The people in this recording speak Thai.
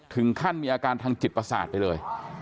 ถึงขั้นมีอาการทางจิตประสาทไปเลย